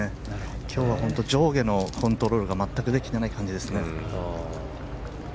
今日は上下のコントロールが全くできてない感じですね。